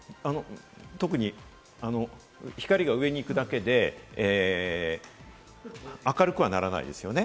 つけましたけれども、光が上に行くだけで、明るくはならないですよね。